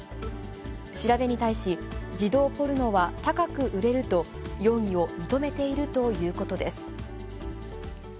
調べに対し、児童ポルノは高く売れると、容疑を認めているということです。